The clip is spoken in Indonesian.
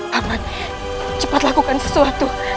paman cepat lakukan sesuatu